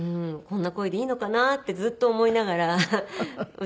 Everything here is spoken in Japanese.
こんな声でいいのかなってずっと思いながら歌っていた感じです。